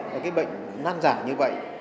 cái bệnh nan giả như vậy